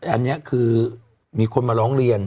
อันนี้คือมีคนมาร้องเรียน